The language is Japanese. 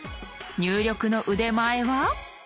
入力の腕前は？